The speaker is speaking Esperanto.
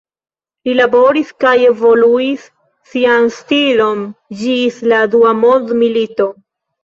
Li laboris kaj evoluis sian stilon ĝis la dua mondmilito.